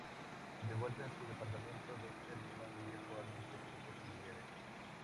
De vuelta en su departamento, Dexter mira un viejo álbum de fotos familiares.